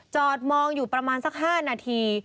จอดมองอยู่ประมาณสัก๕นาที